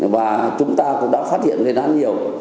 và chúng ta cũng đã phát hiện lên án nhiều